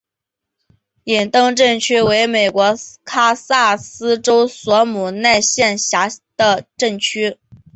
伊登镇区为美国堪萨斯州索姆奈县辖下的镇区。